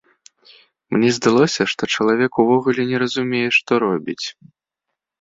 Мне здалося, што чалавек увогуле не разумее, што робіць.